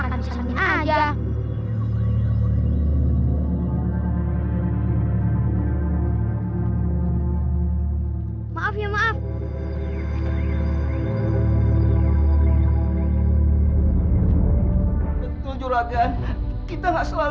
rontol tanya gede banget